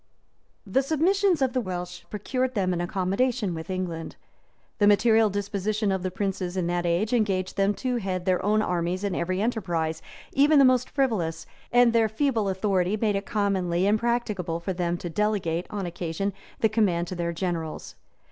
The submissions of the Welsh procured them an accommodation with England. {1158.} The martial disposition of the princes in that age engaged them to head their own armies in every enterprise, even the most frivolous; and their feeble authority made it commonly impracticable for them to delegate, on occasion, the command to their generals.